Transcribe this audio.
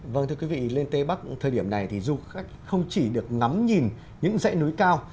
vâng thưa quý vị lên tây bắc thời điểm này thì du khách không chỉ được ngắm nhìn những dãy núi cao